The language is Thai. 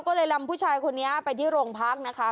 ก็เลยลำผู้ชายไปที่โรงพัก